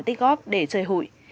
tích góp để chơi hủy